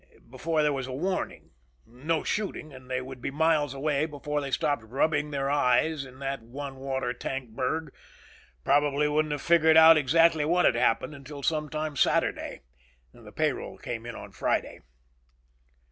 Before there was a warning. No shooting and they would be miles away before they stopped rubbing their eyes in that one water tank burg. Probably wouldn't have figured out exactly what had happened until some time Saturday. The payroll came in on Friday.